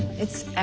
あ。